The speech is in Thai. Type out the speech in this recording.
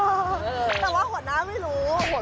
ไม่ต้องสั่งละครถ้าตัวเจอกันอีกครั้งที่เคน